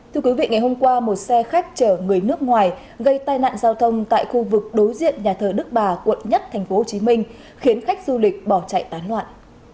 thưa quý vị ngày hôm qua một xe khách chở người nước ngoài gây tai nạn giao thông tại khu vực đối diện nhà thờ đức bà quận một tp hcm khiến khách du lịch bỏ chạy tán loạn